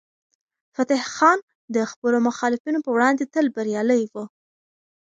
فتح خان د خپلو مخالفینو په وړاندې تل بریالی و.